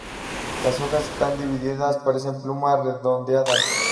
Las hojas están divididas, parecen plumas redondeadas.